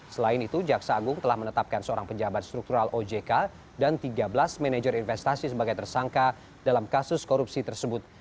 selain itu jaksa agung telah menetapkan seorang pejabat struktural ojk dan tiga belas manajer investasi sebagai tersangka dalam kasus korupsi tersebut